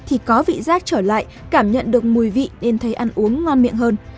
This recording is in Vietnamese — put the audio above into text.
thì có vị rác trở lại cảm nhận được mùi vị nên thấy ăn uống ngon miệng hơn